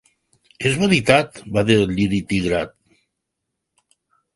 "És veritat!" va dir el Lliri tigrat.